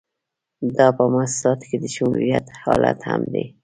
دا په موسساتو کې د شمولیت حالت هم دی.